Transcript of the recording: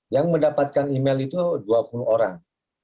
yang mendapatkan email itu dua puluh orang